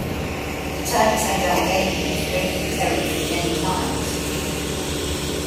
The Turks and Albanians raid the territory many times.